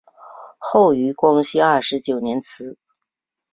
后于光绪二十九年祠。